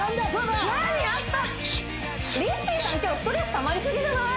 今日ストレスたまりすぎじゃない？